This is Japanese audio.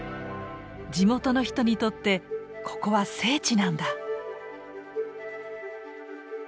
地元の人にとってここは聖地なんだ。